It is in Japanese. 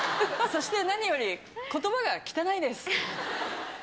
そして何より言葉が汚いです。